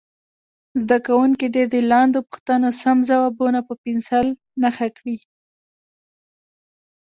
زده کوونکي دې د لاندې پوښتنو سم ځوابونه په پنسل نښه کړي.